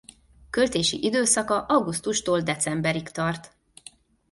Költési időszaka augusztustól decemberig tart.